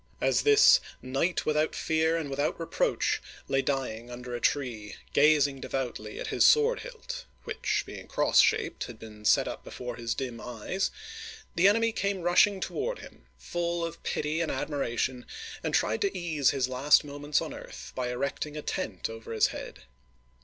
As this " knight without fear and without reproach " lay dying under a tree, gazing devoutly at his sword hilt, — which, being cross shaped, had been set up before his dim eyes, — the enemy came rushing toward him, full of pity and admiration, and tried to ease his last moments on earth by erecting a tent over his head.